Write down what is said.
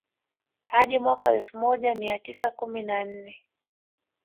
Hadi mwaka wa elfu moja mia tisa kumi na nne